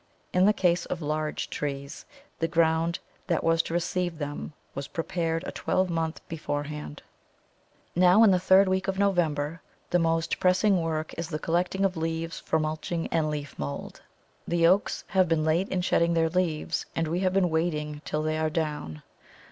In the case of large trees the ground that was to receive them was prepared a twelvemonth beforehand. Now, in the third week of November, the most pressing work is the collecting of leaves for mulching and leaf mould. The oaks have been late in shedding their leaves, and we have been waiting till they are down.